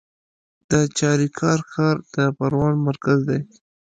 د چاریکار ښار د پروان مرکز دی